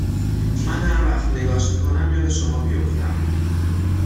من هر وقت نگاش می کنم یاد شما بیفتم